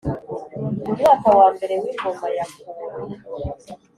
Mu mwaka wa mbere w ingoma ya Kuro